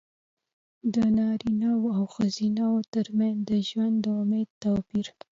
د نارینه وو او ښځینه وو ترمنځ د ژوند د امید توپیر.